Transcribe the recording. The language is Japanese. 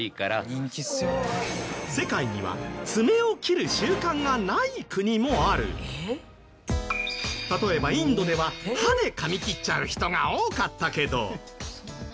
世界には例えばインドでは歯でかみ切っちゃう人が多かったけど。